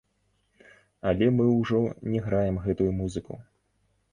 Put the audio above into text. Але мы ўжо не граем гэтую музыку.